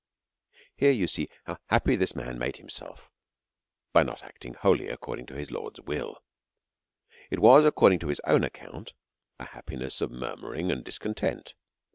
Here you see how happy this man made himself by not acting wholly according to the Lord's will, it was, according to his own account, a happiness of murmuring and discontent.